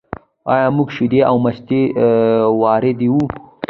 آیا موږ شیدې او مستې واردوو؟